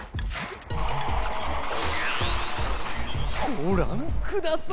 ごらんください！